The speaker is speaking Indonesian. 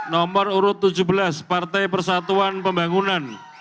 nomor urut tujuh belas partai persatuan pembangunan